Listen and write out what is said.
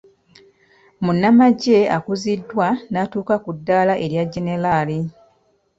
Munnamagye akuziddwa n'atuuka ku daala lya generaali.